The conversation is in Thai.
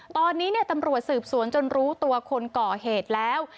ตอนนี้ตำรวจสืบสวนจนรู้ตัวคนก่อเหตุแล้ว